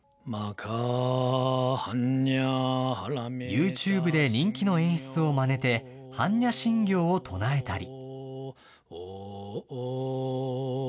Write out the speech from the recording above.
ユーチューブで人気の演出をまねて、般若心経を唱えたり。